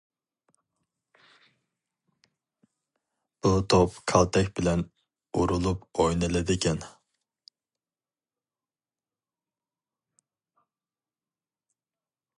بۇ توپ كالتەك بىلەن ئۇرۇلۇپ ئوينىلىدىكەن.